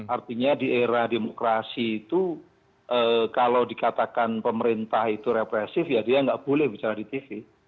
artinya di era demokrasi itu kalau dikatakan pemerintah itu represif ya dia nggak boleh bicara di tv